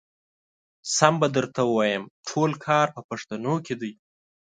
سم به درته ووايم ټول کار په پښتنو کې دی.